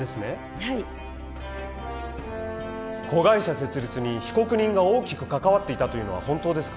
はい子会社設立に被告人が大きく関わっていたというのは本当ですか？